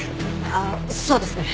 ああそうですね。